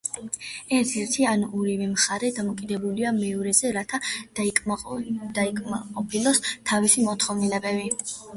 ერთ-ერთი ან ორივე მხარე დამოკიდებულია მეორეზე რათა დაიკმაყოფილოს თავისი მოთხოვნილებები.